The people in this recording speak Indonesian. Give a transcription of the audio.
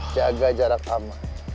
jaga jarak aman